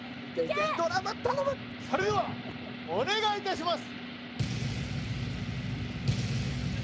けっそれではお願いいたします！